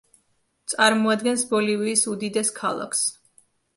წარმოადგენს ბოლივიის უდიდეს ქალაქს.